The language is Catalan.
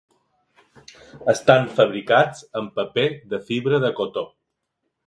Estan fabricats amb paper de fibra de cotó.